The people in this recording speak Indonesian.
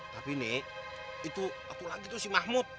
tapi nih itu itu lagi tuh si mahmud